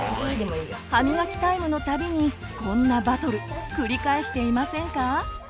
歯みがきタイムのたびにこんなバトル繰り返していませんか？